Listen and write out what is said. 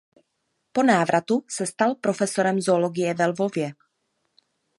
Po návratu se stal profesorem zoologie ve Lvově.